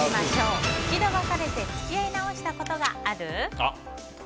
一度別れて付き合い直したことがある？